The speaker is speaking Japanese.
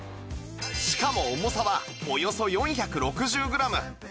しかも重さはおよそ４６０グラム